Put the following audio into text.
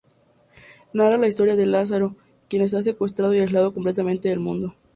Narra la historia de Lázaro, quien está secuestrado y aislado completamente del mundo.